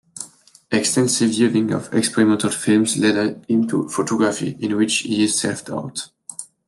Extensive viewing of experimental films led him to photography, in which he is self-taught.